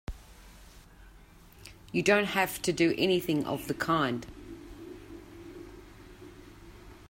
You don't have to do anything of the kind!